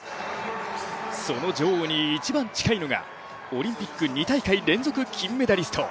その女王に一番近いのがオリンピック２大会連続金メダリスト